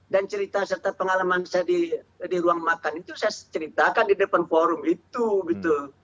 dan cerita serta pengalaman saya di ruang makan itu saya ceritakan di depan forum itu gitu